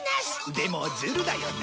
でもズルだよな